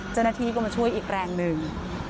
จนนาทีก็มาช่วยอีกแรงหนึ่ง